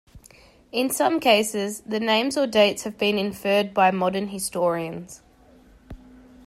In some cases the names or dates have been inferred by modern historians.